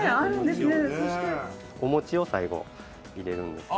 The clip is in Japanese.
お餅を最後入れるんですけど。